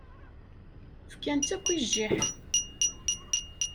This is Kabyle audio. Fkan-tt akk i jjiḥ.